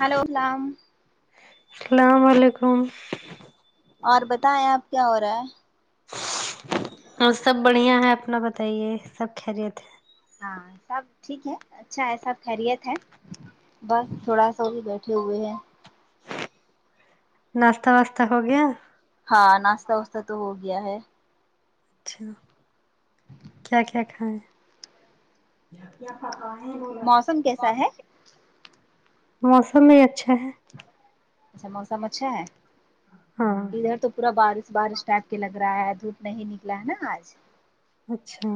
hello سلام سلام وعلیکم اور بتائیں آپ کیا ہو رہا ہے اور سب بڑھیا ہے اپنا بتائیے سب خیریت ہے ہاں سب ٹھیک ہے اچھا ہے سب خیریت ہے بس تھوڑا سا وہ بھی بیٹھے ہوئے ہیں ناشتہ واشتہ ہو گیا ہاں ناشتہ واشتہ تو ہو گیا ہے اچھا کیا کیا کھایے موسم کیسا ہے موسم بھی اچھا ہے اچھا موسم اچھا ہے ہاں ادھر تو پورا بارش بارش ٹائپ کے لگ رہا ہے دھوپ نہیں نکلا ہے آج اچھا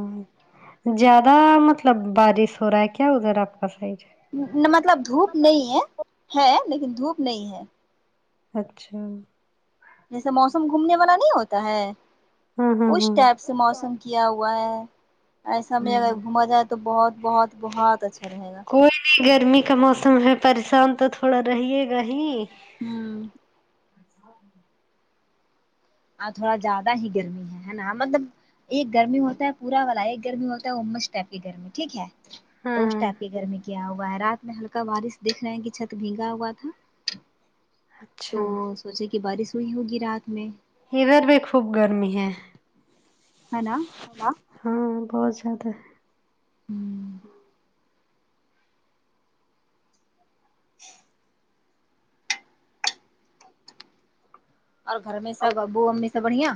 زیادہ مطلب بارش ہو رہا ہے کیا ادھر آپ کا سائڈ مطلب دھوپ نہیں ہے ہے لیکن دھوپ نہیں ہے اچھا جیسے موسم گھومنے والا نہیں ہوتا ہے ہاں اس ہاں ٹائپ سے موسم کیا ہوا ہے ایسا میں اگر ہاں گھوما جائے تو بہت بہت بہت اچھا رہے گا ابھی گرمی کا موسم ہے پریشان تو تھوڑا رہے گا ہی ہوں ہ آج تھوڑا زیادہ ہی گرمی ہے ہے نا مطلب ایک گرمی ہوتا ہے پورا والا ایک گرمی ہوتا ہے وہ مسٹفی گرمی ٹھیک ہے تو اس ہاں ٹائپ کی گرمی کیا ہوا ہے رات میں ہلکا بارش دیکھ رہے ہیں کہ چھت بھیگا ہوا تھا اچھا تو جیسے کہ بارش ہوئی ہوگی رات میں ادھر بھی خوب گرمی ہے ہے نا ہاں ہاں ان کا بہت زیادہ ہے ہوں اچھ اور گھر میں سب ابو امی سب بڑھیا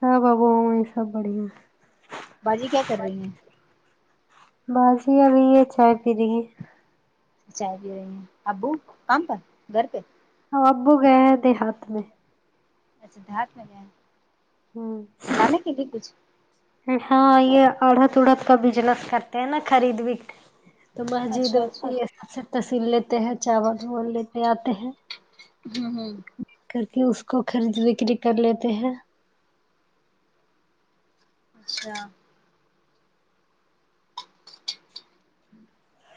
ہاں ابو امی سب بڑھیا ہے باجی کیا کر رہی ہیں باجی ابھی یہ چائے پی رہی ہے چائے بھی رہی ہیں ابو کام پر گھر پہ ہاں ابو گئے ہیں دیہات میں اچھا دیہات میں گیے ہوں لانے کے لیے کچھ ہاں یہ اڑھد اڑھد کا بجنس کرتے ہیں نا خرید بھی تو مسجد اچھا اچھا یہ سب سے تصیر لیتے ہیں چاول واول لیتے آتے ہیں ہمم ہوں کر کے اس کو خرید کر لیتے ہیں اچھا ٹھیک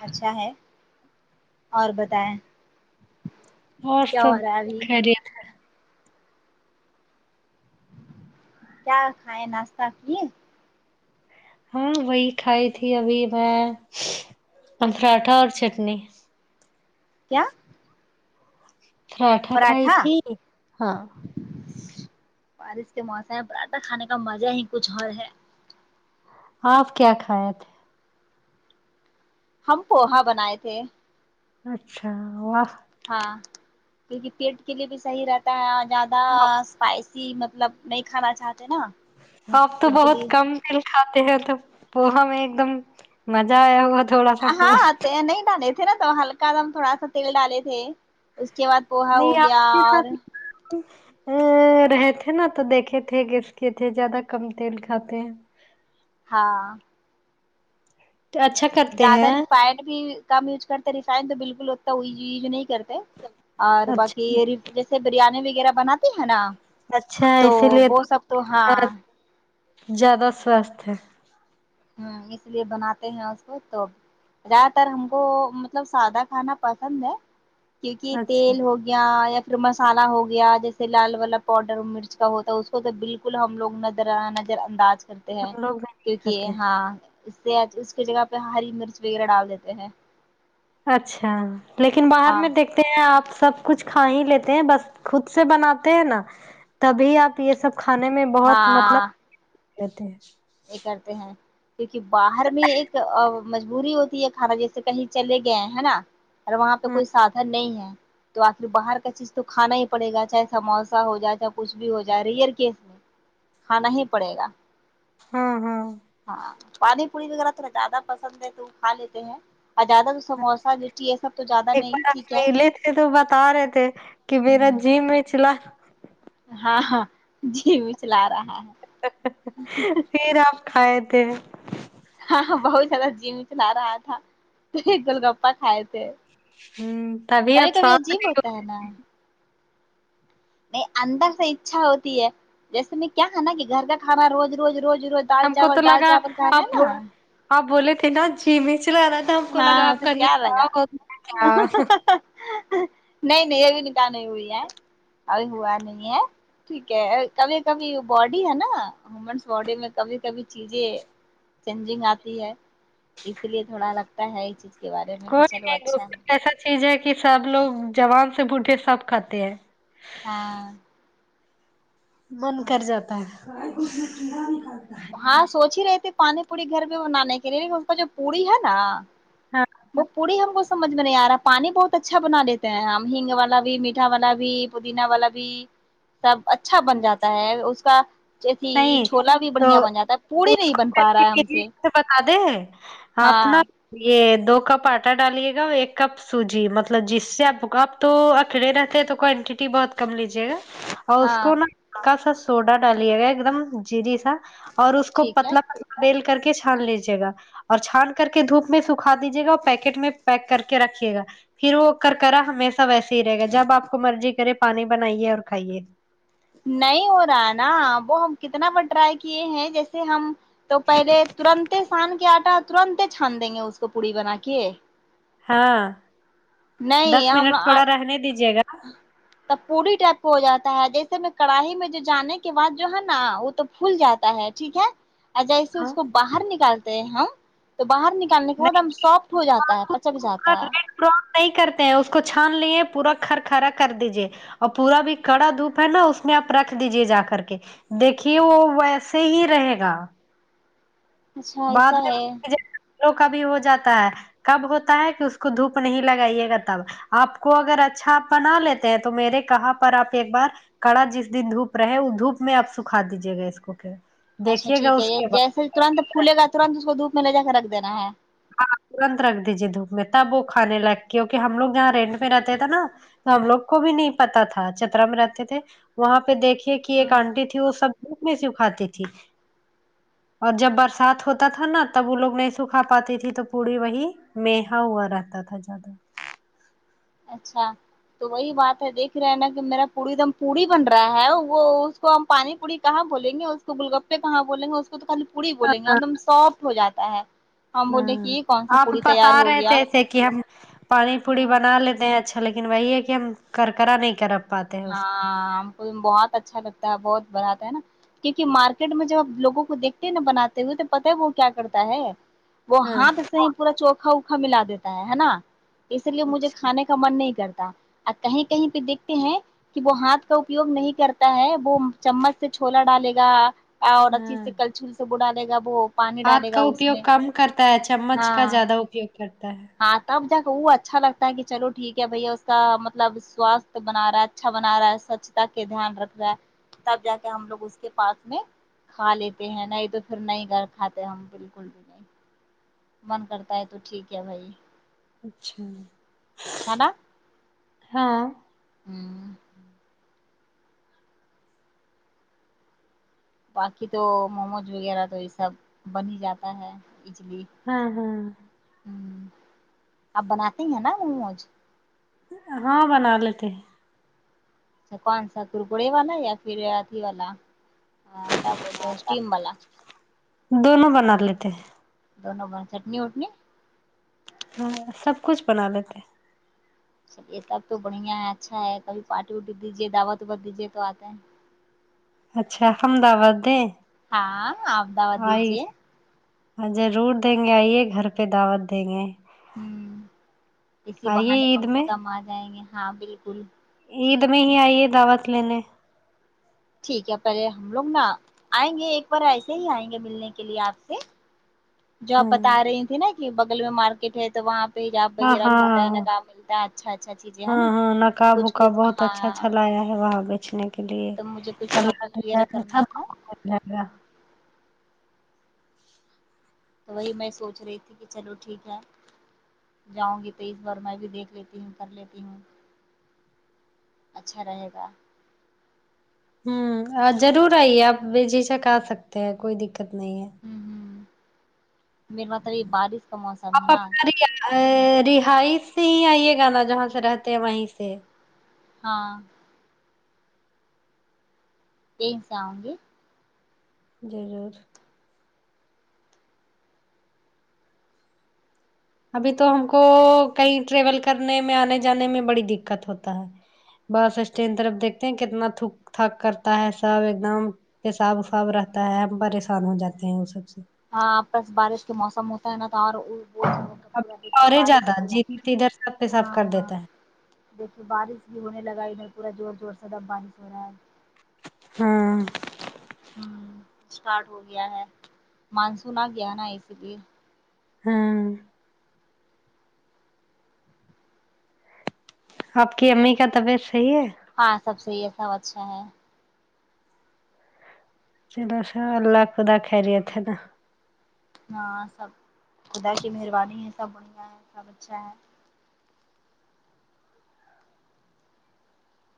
اچھا ہے اور بتائیں اور کیا ہو سب رہا ہے ابھی خیریت ہے کیا کھائے ناشتہ کیے ہاں وہی کھائی تھی ابھی میں پراٹھا اور چٹنی کیا پراٹھا کھائی تھی ہاں بارش کے موسم میں پراٹھا کھانے کا مزہ ہی کچھ اور ہے آپ کیا کھائے تھے ہم پوہا بنائے تھے اچھا واہ ہاں کیونکہ پیٹ کے لیے بھی صحیح رہتا ہے زیادہ اسپائ ای مطلب نہیں کھانا چاہتے نا باپ تو اس بہت لیے کم تل کھاتے ہیں تو پوہا میں ایک دم مزہ آیا ہوا تھوڑا سا پو ہاں تیل نہیں ڈالے تھے نا تو ہلکا دم تھوڑا سا تیل ڈالے تھے اس کے بعد پوہا نہیں ہو گیا آپ کے اور ساتھ ا رہے تھے نا تو دیکھے تھے گیس کے تھے زیادہ کم تیل کھاتے ہیں ہاں تو اچھا کرتے زیادہ ہیں ریفائنڈ بھی کم یوز کرتے ریفائنڈ تو بالکل اتا یوز نہیں کرتے اور اچھا باقی جیسے بریانی وغیرہ بناتے ہے نا اچھا تو اسی لیے وہ سب ہاں تو زیادہ سوستھ ہے ہو اس لیے بناتے ہیں اس کو تو زیادہ تر ہم کو مطلب سادہ کھانا پسند ہے کیونکہ اچھا تیل ہوگ یا یا پھر مسالہ ہو گیا جیسے لال والا پاؤڈر مرچ کا ہوتا ہے اس کو تو بال کل ہم لوگ نظر نظر انداز کر ہم لوگ جا یہ ہاں اس سے اس کی جگہ پہ ہری مرچ وغیرہ ڈال دیتے ہیں اچھا لیکن باہر ہاں میں دیکھ دیکھتے ہیں آپ سب کچھ کھا ہی لیتے ہیں بس خود سے بناتے ہیں نا تبھی آپ یہ سب کھانے میں بہت مطلب ہاں دیتے ہیں یہ کرتے ہیں کیونکہ باہر میں ایک مجبوری ہوتی ہے کھانا جیسے کہیں چلے گئے ہے نا اور وہاں پہ ہاں کوئی سادھن نہیں ہے تو آخر باہر کا چیز تو کھانا ہی پڑے گا چاہے سموسہ ہو جائے چاہے کچھ بھی ہو جائے ریئر کیسے میں کھانا ہی پڑے گا ہاں ہاں ہاں پانی پوری وغیرہ تھوڑا زیادہ پسند ہے تو وہ کھا لیتے ہیں ا زیادہ تو سموسہ مرچی یہ سب تو زیادہ ایک نہیں بار آپ ٹھیک ہے میلے تھے تو بتا رہے تھے کہ میرا ہ جی میںچلا ہاں ہاں جی میچلا رہا ہے پھر آپ کھائے تھے ہاں ہاں بہت زیادہ جی مچلا رہا تھا تو ایک گول گپا کھائے تھے ہوں تبھی کبھی آپ کبھی ساتھ عجیب نہیں ہو ہوتا ہے نا نہیں اندر سے ایچا ہوتی ہے جیسے میں کیا ہے نا کہ گھر کا کھانا روز روز روز روز دال ہم کو تو چاول دال لگا چاول کھا رہے ہیں آپ نا آپ بولے تھے نا جی مچلا را ہاں تو کیا لگا کیا نہیں نہیں ابھی نکاح نہیں ہوئی ہے ابھی ہوا نہیں ہے ٹھیک ہے کبھی کبھی باڈی ہے نا ومنس باڈی میں کبھی کبھی چیزیں چینجنگ آتی ہے اسی لیے تھوڑا لگ تا ہے یہ چیز کے بارے میں کہ کوئی چلو نہیں اچھا ہے گفتگو ایسا چیز ہے کہ سب لوگ جوان سے بوڈھے سب کھاتے ہیں ہاں من کر جاتا ہے ہاں سوچ ہی رہے تھے پانی پوری گھر میں بنانے کے لیے لن اس کا جو پوری ہے نا ہاں وہ پوری ہم کو سمجھ میں نہیں آ رہا ہے پانی بہت اچھا بنا لیتے ہیں ہم ہنگ والا بھی میٹھا والا بھی پودینہ والا بھی سب اچھا بن جاتا ہے اس کا جیسی نہیں چھولا بھی تو بڑھیا بن جاتا ہے پوڑی اس نہیں بن کو پا رہا ہے ہم سے [unintelligible] بتا دیں ہے آپ نہ ہاں یہ دو کپ آٹا ڈالیے گا اور ایک کپ سوجی مطلب جس سے آپ کو تو اکیلا رہتے تو کوانٹیٹی بہت کم لیجے گا اور اس ہاں کو نا ہکا سا سوڈا ڈالیا گیا ایک دم جری سا اور اس کو ٹھیک ہے پتلا پت ریل کر کے چھان لیجیے گا اور چھان کر کے دھوپ میں سکھا دیجیے گا اور پیکٹ میں پیک کر کے رکھیے گا پھر وہ کر کرا ہمیشہ ویسے ہی رہے گا جب آپ کو مرضی کرے پانی بنائیے اور کھائیے نہیں ہو رہا نا وہ ہم کتنا بار ٹرائی کیے ہیں جیسے ہم تو پہلے ترنت چھان کے آٹا ترنت چھان دیں گے اس کو پوری بنا کے ہاں دس نہیں منٹ ہم تھوڑا رہنے دیجیے گا [unintelligible] تب پوری ٹائپ کو ہو جاتا ہے جیسے میں کڑھائی میں جو جانے کے بعد جو ہے نا وہ تو پھول جاتا ہے ٹھیک ہے اور جیسے ہاں اس کو باہر نکالتے ہیں ہم تو باہر ن کال کرنے کے نہیں بعد سافٹ ہو جاتا ہے آپ اس پچک کو پورا جاتا ہے [unintelligible] نہیں کرتے ہیں اس کو چھان لیے پورا کھر کرا کر دیجیے اور پورا بھی کڑا دھوپ ہے نا اس میں آپ رکھ دیجے جا کر کے دیکھیے وہ ویسے ہی رہے گا اچھا بعد ایسا میں ہے [unintelligible] نظر ٹوکا کا بھی ہو جاتا ہے کب ہوتا ہے کہ اس کو دھوپ نہیں لگائیے گا تب آپ کو اگر اچھا آپ بنا لیتے ہیں تو میرے کہا پر آپ ایک بار کڑا جس دن دھوپ رہے وہ دھوپ میں آپ سکھا دیجیے گا اس کو کہ اچھا دیکھیے گا ٹھیک ہے اس یہ کے بعد جیسے ترنت پھلے گا ترنت اس کو دھوپ میں لے جا کے رکھ دینا ہے ہاں ترنت رکھ دیجے دھوپ میں تب وہ کھانے لگ کیونکہ ہم لوگ جہاں رینٹ میں رہتے تھے نا تو ہم لوگ کو بھی نہیں پتا تھا چترا میں رہتے تھے وہاں پہ دیکھ دیکھا کی ایک ہے آنٹی تھی وہ سب دھوپ میں سکھاتی تھی اور جب برسات ہوتا تھا نا تب وہ لوگ نہیں سکھا پاتے تھے تو پڑی وہی مہا ہوا رہتا تھا زیادہ اچھا تو وہی بات ہے دیکھ رہے ہیں نا کہ میرا پڑی دم پوڑی بن رہا ہے وہ تو ہم پانی پوڑی کہاں بولیں گے اس کو گولگپے کہاں بولیں گے اس کو تو خالی پوری بولیں گے ہاں ایک دم سافٹ ہو جاتا ہے ہم بولے کہ ہاں یہ کون سا آپ پوڑی بتا تیار ہو رہے تھے گیا ایسے کہ ہم پانی پوڑی ہاں بنا لیتے ہیں اچھا اچھا لیکن وہی ہے کہ ہم کرکرا نہیں کرب ہاں ہم کو بہت اچھا لگتا ہے بہت بڑاتا ہے نا کیونکہ مارکیٹ میں جب آب لوگوں کو دیکھتے ہیں نا بناتے ہوئے تو پتاہ ہے وہ کیا کرتا ہے وہ ہاں ہاتھ سے ہی پورا چوکھا اوکھا ملا دیتا ہے نا اسی لیے مجھے اچھا کھانے کا من نہیں کرتا آ کہیں کہیں پہ دیکھتے ہیں کہ وہ ہاتھ کا اپیوگ نہیں کرتا ہے وہ چمچ سے چھولا ڈالے گا اور اچھی ہاں سے کلچھل سے بلاا دے گا وہ پانی ہاتھ ڈالے کا گا اس اپیوگ میں کم کرتا ہے چمچ کا ہاں زیادہ اپیوگ کرتا ہے ہاں تب جکا وہ اچھا لگتا ہے کہ چلو ٹھیک ہے بھیا اس کا مطلب سوستھ بنا رہا ہے اچھا بنا رہا ہے سوچھتا کے دھیان رکھ رہا ہے تب جا کے ہم لوگ اس کے پاس میں کھالیتے ہیں نہ تو پھر نہیں گھر کھاتے ہم بالکل بھی نہیں من کرتا ہے تو ٹھیک ہے بھائی اچھا ہے نا ہاں ہوں باقی تو موموز وغیرہ تو یہ سب بن ہی جاتا ہے ایزلی ہاں ہاں ہمم اب بناتے ہی ہیں نا مو موج ہاں بنا لیتے ہیں کونسا گرکڑے والا یا پھر اسی وی والا کیا بولتا اسٹیم والا دونوں بنا لیتے ہے دونوں ب چٹنی وٹنی ہاں سب کچھ بنا لیتے ہیں یہ سب تو بڑھیا ہے اچھا ہے کبھی پارٹی وٹی دیجیے دعوت واوت دیجیے تو آتا ہے اچھا ہم دعوت دیں ہاں اپ دعوت دیجیے ہاں جرور دیں گے آئیے گھر پہ دعوت دیں گے ہوں اسی آئیے بہانے کم عید سے میں کم آ جائیں گے ہاں بالکل عید میں ہی آئی ہے دعوت لینے ٹھیک ہے پہلے ہم لوگ نا آئیں گے ایک بار ایسے ہی آئیں گے ملنے کے لیے آپ سے جو آپ ہاں بتا رہی تھی نا کہ بغل میں مارکیٹ ہے تو وہاں پہ پ جاب ہاں وغیرہ ملتا ہے نہ ہاں کام ملتا ہے اچھا اچھا چیزیں ہے نا کچھ کچھ تو اچھا ہاں اچھا لایا ہے وہاں بیچنے کے لیے تو مجھے کچھ شاپنگ کلر وغیرہ کرنا تھا [unintelligible] [unintelligible] تو وہی میں سوچ رہی کہ ٹھیک ہے چلو ٹھیک ہے جاؤں گی تو اس بار میں بھی دیکھ لیتی ہوں کر لیتی ہوں اچھا رہے گا ام ضرور آئیے آپ بیجھجک آ سکتے ہیں کوئی دقت نہیں ہے ہوں ہوں میرے پاس ابھی بارش کا موسم ہے آپ نا اپنا ریا رہائش سے ہی آئیے گانا جہاں سے رہتے ہیں وہیں سے ہاں [unintelligible] ضرور ابھی تو ہم کو کہیں ٹریول کرنے میں آنے جانے میں بڑی دقت ہوتا ہے بس اسٹینڈ طرف دیکھتے ہیں کتنا تھوک تھک کرتا ہے سب ایک دم پیساب وفااب رہتا ہے ہم پریشان ہو جاتے ہیں وہ سب سے ہاں بس بارش کے موسم ہوتا ہے نا تو اور ور اب اور ہی زیادہ جدھر تدھر سب پیساب ہاں کر ہاں دیتا ہے دیکھیے بارش بھی ہونے لگا ادھر پورا زور زور سے اب بارش ہو رہا ہے ہاں ہوں اسٹارٹ ہو گیا ہے مانسون آ گیا نا اسی لیے ہاں آپ کی امی کا طبیعت صحیح ہے ہاں سب صحیح ہے سب اچھے ہیں چلو سب اللہ خدا خیریت ہے نا ہاں سب خدا کی مہربانی ہے سب بڑھیا ہے سب اچھا ہے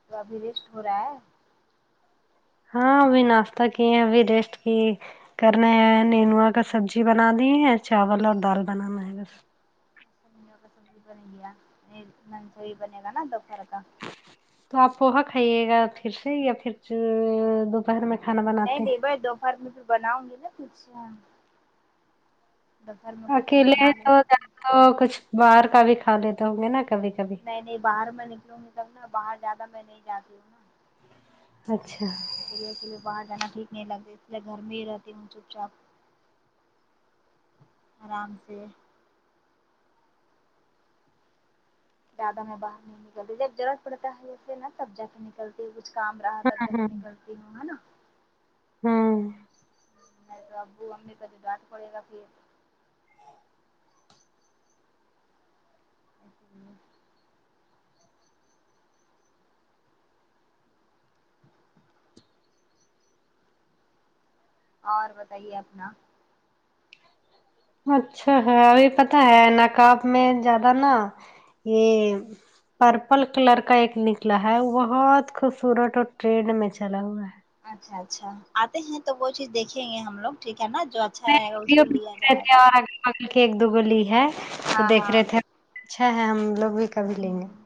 تو ابھی ریسٹ ہو رہا ہے ہاں ابھی ناشتہ کیے ہیں ابھی ریسٹ کیے کرنا ہے نینوا کا سبزی بنا دی ہے چاول اور دال بنانا ہے بس کا سبزی بنے گیا منچوری بنے گا نا دوپہر کا تو آپ پوہا کھائیے گا پھر سے یا پھر [unintelligible] دوپہر میں کھانا نہیں بناتے نہیں بائی دوپہر میں تو بناؤں گی نا کچھ جب گھر میں کچھ میں بنا لو اور کچھ باہر کا بھی کھا لیتے ہوں گے نا کبھی کبھی نہیں نہیں باہر میں نکلوں گی تب نا باہر زیادہ میں نہیں جاتی ہوں نا اچھا اکیلے اکیلے باہر جانا ٹھیک نہیں لگتا اس لیے گھر میں ہی رہتی ہوں چپ چاب آرام سے زیادہ میں باہر نہیں نکلتی جب ضرورت پڑتا ہے اسے نا تب جاتی میں غلطی کچھ کام رہا تب جا کے ہاں نکلتی ہوں ہے نا ہوں نہیں تو ابو امی کا جو ڈانٹ پڑے گا پھر اور بتائیے اپنا اچھا ہے ہمیں پتہ ہے نقاب میں زیادہ نا یہ پرپل کلر کا ایک نکلا ہے وہ بہت خوبصورت اور ٹرینڈ میں چلا ہوا ہے اچھا اچھا آتے ہیں تو وہ چیز دیکھیں گے ہم لوگ ٹھیک ہے نا جو اچھا رہے گا اس کو لیا جائے گا پل کی ایک دو گلی ہے تو ہاں دیکھ ہاں رہے تھے اچھا ہے ہم لوگ بھی کبھی لیں گے ہ